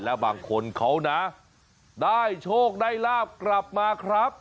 แล้วบางคนเขานะได้โชคได้ลาบกลับมาครับ